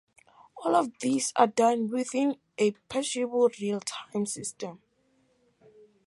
All of these are done within a pausable real-time system.